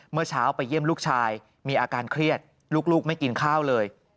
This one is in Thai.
เมื่อเช้าไปเยี่ยมลูกชายมีอาการเครียดลูกไม่กินข้าวเลย